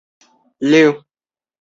克里斯蒂安十世的长子。